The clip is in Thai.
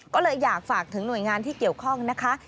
ก็เลยอยากฝากถึงหน่วยงานที่เกี่ยวข้องนะคะ